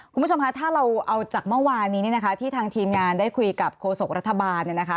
คุณผู้ชมคะถ้าเราเอาจากเมื่อวานนี้เนี่ยนะคะที่ทางทีมงานได้คุยกับโฆษกรัฐบาลเนี่ยนะคะ